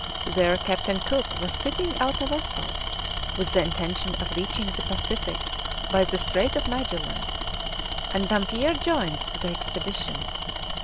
There Captain Cook was fitting out a vessel, with the intention of reaching the Pacific by the Strait of Magellan, and Dampier joins the expedition.